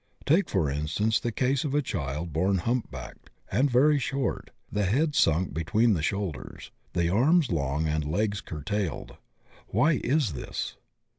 Take for instance the case of a child bom humpbacked and very short, the head sunk between the shoulders, the arms long and legs curtailed. Why is this?